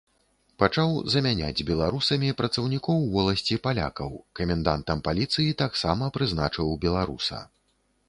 Пачаў замяняць беларусамі працаўнікоў воласці палякаў, камендантам паліцыі таксама прызначыў беларуса.